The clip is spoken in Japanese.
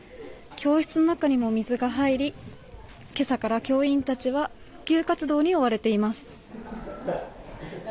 教室の中にも水が入り今朝から教員たちは復旧活動に追われています。